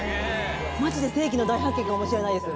マジで世紀の大発見かもしれないです